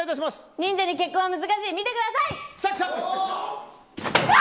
忍者に結婚は難しい見てください。